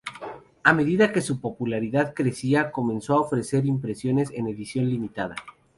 A medida que su popularidad crecía comenzó a ofrecer impresiones en edición limitada.